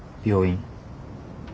病院？